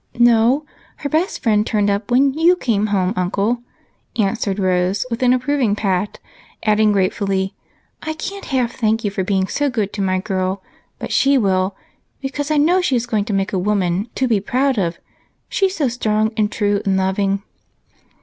"No, her best friend turned up when you came home, uncle," answered Rose with an approving pat, adding gratefully, " I can't half thank you for being so good to my girl, but she will, because I know she is going to make a woman to be proud of, she 's so strong and true, and loving."